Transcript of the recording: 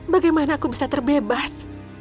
bagaimana aku bisa terbebas